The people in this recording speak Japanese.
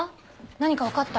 何か分かった？